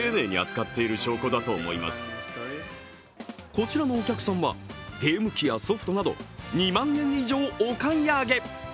こちらのお客さんはゲーム機やソフトなど２万円以上お買い上げ。